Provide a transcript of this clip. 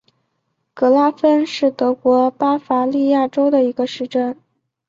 格拉芬是德国巴伐利亚州的一个市镇。